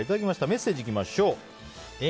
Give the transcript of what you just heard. メッセージいきましょう。